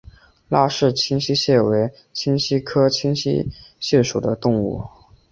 拉氏清溪蟹为溪蟹科清溪蟹属的动物。